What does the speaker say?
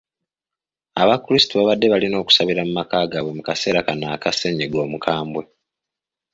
Abakirisitu babadde balina okusabira mu maka gaabwe mu kaseera kano aka sennyiga omukambwe.